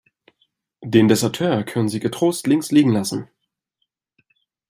Den Deserteur können Sie getrost links liegen lassen.